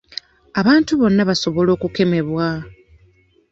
Abantu bonna basobola okukemebwa.